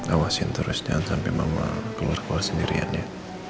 awasin terus jangan sampai mama keluar keluar sendirian ya